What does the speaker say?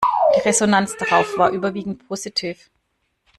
Die Resonanz darauf war überwiegend positiv.